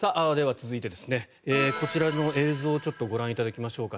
続いて、こちらの映像をちょっとご覧いただきましょうか。